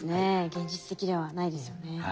現実的ではないですよね。